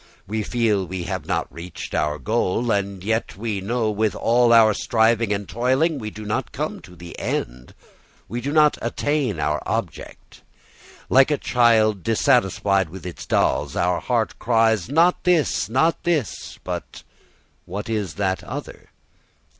We feel we have not reached our goal; and we know with all our striving and toiling we do not come to the end, we do not attain our object. Like a child dissatisfied with its dolls, our heart cries, "Not this, not this." But what is that other?